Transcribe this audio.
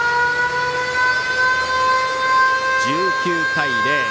１９対０。